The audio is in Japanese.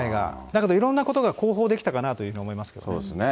だけど、いろんなことが公報できたかなと思いますけどね。